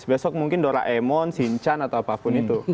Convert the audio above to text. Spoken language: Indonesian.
besok mungkin doraemon shin chan atau apapun itu